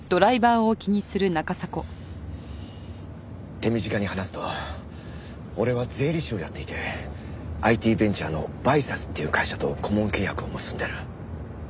手短に話すと俺は税理士をやっていてＩＴベンチャーのＢＹＳＡＳっていう会社と顧問契約を結んでる。